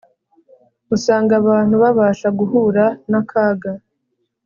usanga abantu babasha guhura nakaga